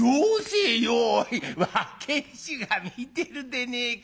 若え衆が見てるでねえか。